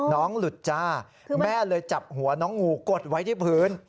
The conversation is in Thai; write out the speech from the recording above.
น้องหลุดจ้าแม่เลยจับหัวน้องงูกดไว้ที่พื้น